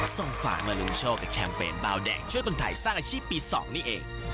ส่งฝามาลุ้นโชคกับแคมเปญบาวแดงช่วยคนไทยสร้างอาชีพปี๒นี่เอง